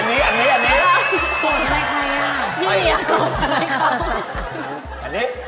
อันนี้